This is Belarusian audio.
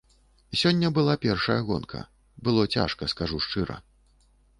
Сёння была першая гонка, было цяжка, скажу шчыра.